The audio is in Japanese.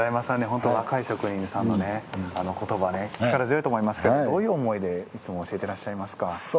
本当若い職人さんのねことば力強いと思いますけどどういう思いでいつも教えてらっしゃいますか？